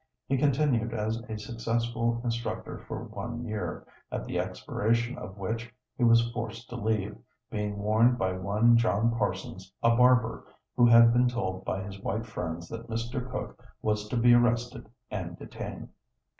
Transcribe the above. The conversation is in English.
He continued as a successful instructor for one year, at the expiration of which he was forced to leave, being warned by one John Parsons, a barber, who had been told by his white friends that Mr. Cook was to be arrested and detained.